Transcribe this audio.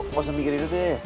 gak usah mikirin itu deh